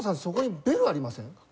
そこにベルありません？